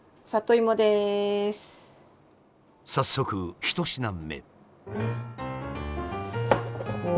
早速１品目。